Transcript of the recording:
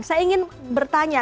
saya ingin bertanya